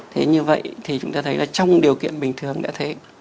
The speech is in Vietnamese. thế như vậy thì chúng ta thấy là trong điều kiện bình thường đã thế